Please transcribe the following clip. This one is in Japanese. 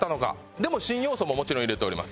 でも新要素ももちろん入れております。